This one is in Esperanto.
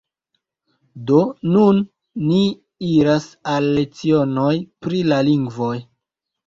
Do, nun ni iras al lecionoj pri la lingvoj